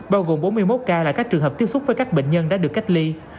bao gồm bốn mươi một ca là các trường hợp tiếp xúc với các bệnh nhân đã được cách ly